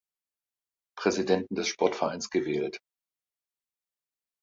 Präsidenten des Sportvereins gewählt.